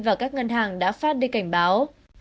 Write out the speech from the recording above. và các ngân hàng đã phát đi cảnh báo